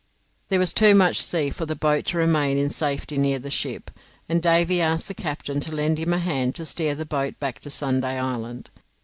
There was too much sea for the boat to remain in safety near the ship, and Davy asked the captain to lend him a hand to steer the boat back to Sunday Island.